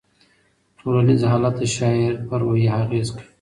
ټولنیز حالات د شاعر په روحیه اغېز کوي.